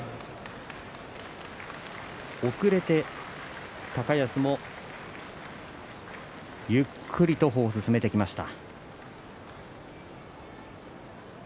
遅れて高安もゆっくりと歩を進めてきました。